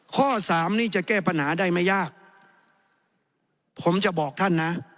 ข้อสามนี่จะแก้ปัญหาได้ไม่ยากผมจะบอกท่านนะ